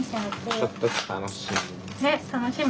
ちょっと楽しみ。